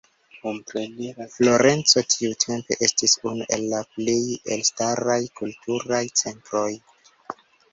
Florenco tiutempe estis unu el la plej elstaraj kulturaj centroj.